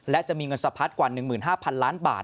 และจะมีเงินสะพัดกว่า๑๕๐๐๐ล้านบาท